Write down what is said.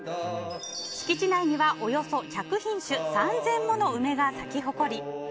敷地内には、およそ１００品種３０００もの梅が咲き誇り